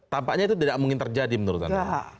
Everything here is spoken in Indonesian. tampaknya itu tidak mungkin terjadi menurut anda